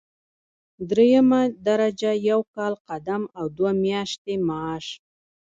دریمه درجه یو کال قدم او دوه میاشتې معاش.